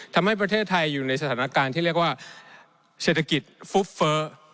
ทำให้ประเทศไทยอยู่ในสถานการณ์ที่เรียกว่าเศรษฐกิจฟุบเฟ้อ